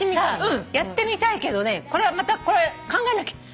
やってみたいけどねこれはまた考えなきゃ。